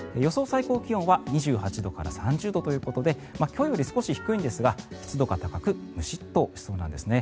最高気温は２８度から３０度ということで今日より少し低いんですが湿度が高くムシッとしそうなんですね。